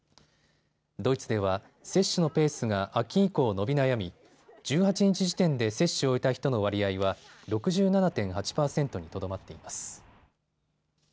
ドイツでは接種のペースが秋以降、伸び悩み１８日時点で接種を終えた人の割合は６７．８％にとどまっています。